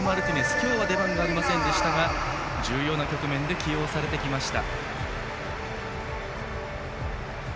今日は出番がありませんでしたが重要な局面で起用されてきました。